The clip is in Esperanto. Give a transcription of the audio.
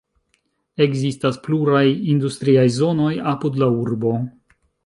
Ekzistas pluraj industriaj zonoj apud la urbo.